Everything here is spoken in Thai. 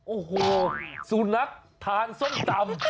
โอ้โหสุนัขทานส้มตำ